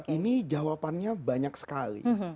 ini jawabannya banyak sekali